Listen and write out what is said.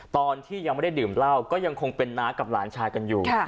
ตอนที่ยังไม่ได้ดื่มเหล้าก็ยังคงเป็นน้ากับหลานชายกันอยู่